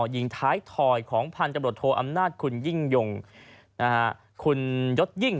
ยิงท้ายถอยของพันธุ์จำรวจโทรอำนาจคุณยศยิ่ง